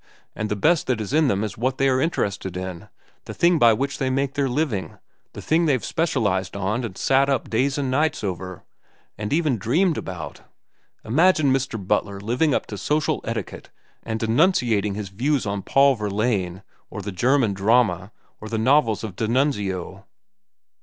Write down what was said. And the best that is in them is what they are interested in, the thing by which they make their living, the thing they've specialized on and sat up days and nights over, and even dreamed about. Imagine Mr. Butler living up to social etiquette and enunciating his views on Paul Verlaine or the German drama or the novels of D'Annunzio.